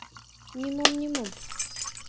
Нимом-нимом!